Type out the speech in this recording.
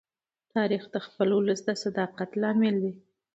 تاریخ د خپل ولس د صداقت لامل دی.